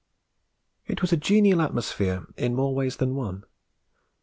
It was a genial atmosphere in more ways than one.